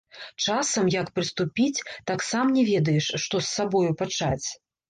Часам, як прыступіць, так сам не ведаеш, што з сабою пачаць.